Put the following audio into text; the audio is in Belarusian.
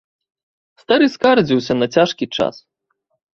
Стары скардзіўся на цяжкі час.